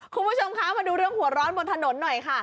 คุณผู้ชมคะมาดูเรื่องหัวร้อนบนถนนหน่อยค่ะ